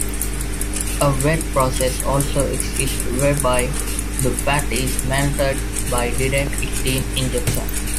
A wet process also exists whereby the fat is melted by direct steam injection.